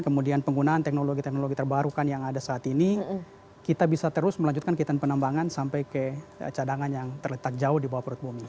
kemudian penggunaan teknologi teknologi terbarukan yang ada saat ini kita bisa terus melanjutkan kegiatan penambangan sampai ke cadangan yang terletak jauh di bawah perut bumi